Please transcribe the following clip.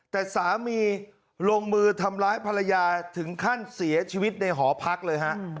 แต่สามีลงมือทำร้ายภรรยาถึงขั้นเสียชีวิตในหอพักเลยฮะ